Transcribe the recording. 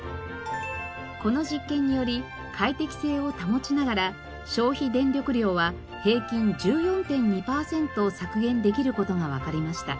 この実験により快適性を保ちながら消費電力量は平均１４．２パーセント削減できる事がわかりました。